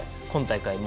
今大会